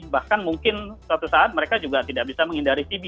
bahkan mungkin suatu saat mereka juga tidak bisa menghindari tb